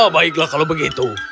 baiklah kalau begitu